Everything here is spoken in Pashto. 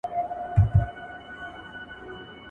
• دايي گاني چي ډېري سي، د کوچني سر کوږ راځي.